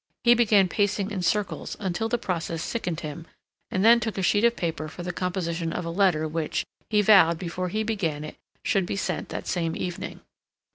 He began pacing in circles until the process sickened him, and then took a sheet of paper for the composition of a letter which, he vowed before he began it, should be sent that same evening.